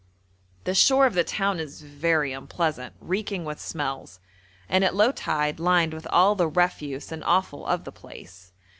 The shore of the town is very unpleasant, reeking with smells, and at low tide lined with all the refuse and offal of the place.